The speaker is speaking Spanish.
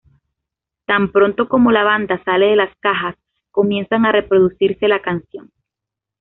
Tan pronto como la banda sale de las cajas, comienza a reproducirse la canción.